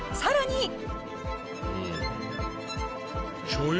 しょう油？